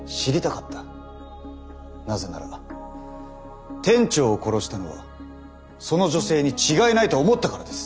なぜなら店長を殺したのはその女性に違いないと思ったからです。